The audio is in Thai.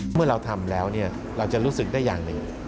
เมื่อเราทำแล้วเราจะรู้สึกได้อย่างหนึ่ง